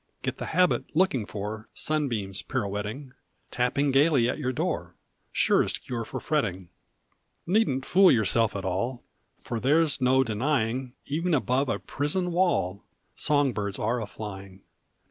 Get the habit looking for Sunbeams pirouetting, Tapping gaily at your door Surest cure for fretting. Needn t fool yourself at all, For there s no denying E en above a prison wall Song birds are aflying.